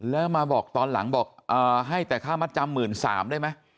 แล้วมาบอกตอนหลังบอกให้แต่ค่ามัดจำ๑๓๐๐ได้ไหม